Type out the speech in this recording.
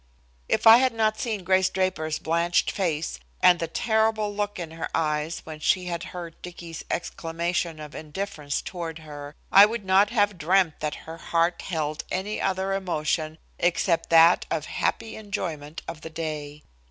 If I had not seen Grace Draper's blanched face and the terrible look in her eyes when she had heard Dicky's exclamation of indifference toward her, I would not have dreamed that her heart held any other emotion except that of happy enjoyment of the day.